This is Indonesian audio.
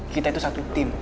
kita itu satu tim